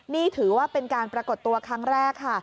นี่ถือว่าเป็นการปรากฏตัวครั้งแรกค่ะ